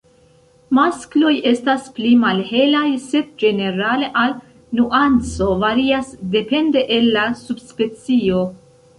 Maskloj estas pli malhelaj, sed ĝenerale al nuanco varias depende el la subspecio.